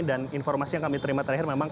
dan informasi yang kami terima terakhir memang